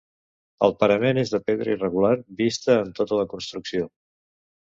El parament és de pedra irregular vista en tota la construcció.